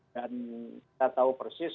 dan kita tahu persis